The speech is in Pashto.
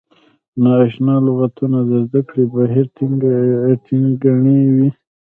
نا اشنا لغتونه د زده کړې بهیر ټکنی کوي.